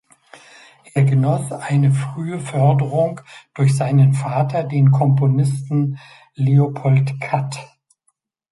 Er genoss eine frühe Förderung durch seinen Vater, den Komponisten Leopold Katt.